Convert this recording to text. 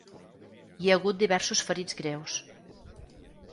Hi ha hagut diversos ferits greus.